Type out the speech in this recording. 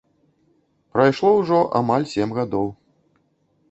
Прайшло ўжо амаль сем гадоў.